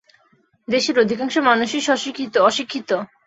দেশের অর্ধেক মানুষই অশিক্ষিত।